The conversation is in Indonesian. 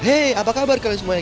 hei apa kabar kalian semuanya